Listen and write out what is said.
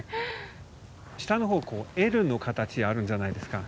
下の方Ｌの形あるじゃないですか？